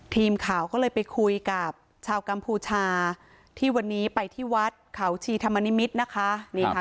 ทีมข่าวก็เลยไปคุยกับชาวกัมพูชาที่วันนี้ไปที่วัดเขาชีธรรมนิมิตรนะคะนี่ค่ะ